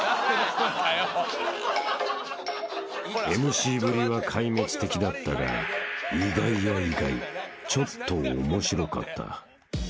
［ＭＣぶりは壊滅的だったが意外や意外ちょっと面白かった］